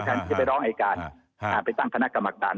จะไปร้องอายการไปตั้งคณะกรรมการ